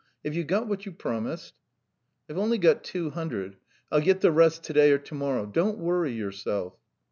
"Have you got what you promised?" "I've only got two hundred. I'll get the rest to day or to morrow. Don't worry yourself."